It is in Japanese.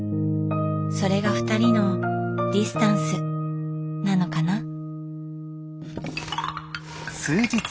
それがふたりのディスタンスなのかな？